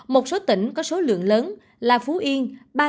một số tỉnh có số lượng lớn là phú yên